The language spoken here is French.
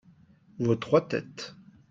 Vos trois têtes.